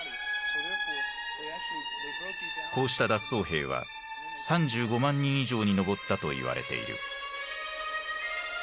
こうした脱走兵は３５万人以上に上ったといわれている。